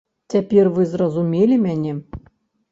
Цяпер вы зразумелі мяне?